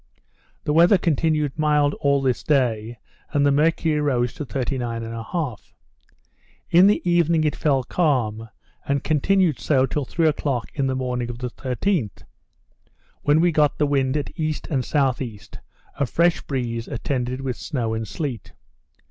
The weather continued mild all this day, and the mercury rose to 39 1/2. In the evening it fell calm, and continued so till three o'clock in the morning of the 13th, when we got the wind at E. and S.E., a fresh breeze attended with snow and sleet.